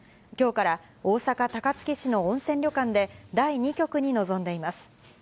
きょうから大阪・高槻市の温泉旅館で、第２局に臨んでいます。